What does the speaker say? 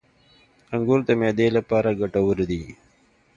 • انګور د معدې لپاره ګټور دي.